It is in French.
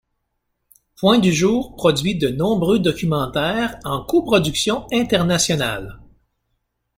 Point du Jour produit de nombreux documentaires en coproduction internationale.